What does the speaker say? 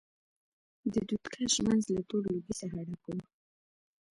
د دود کش منځ له تور لوګي څخه ډک و.